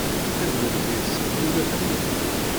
Taglimt-is mellulet am udfel.